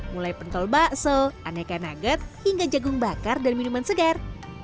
mulai pentol bakso aneka nugget hingga jagung bakar dan minuman segar